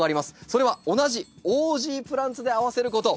それは同じオージープランツで合わせること。